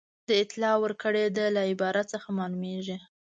د اطلاع ورکړې ده له عبارت څخه معلومیږي.